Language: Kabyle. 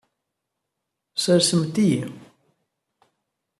Sersemt-iyi.